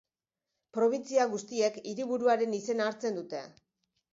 Probintzia guztiek hiriburuaren izena hartzen dute.